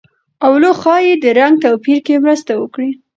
اولو ښايي د رنګ توپیر کې مرسته وکړي.